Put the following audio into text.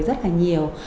rất là nhiều